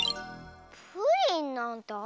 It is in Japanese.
プリンなんてあった？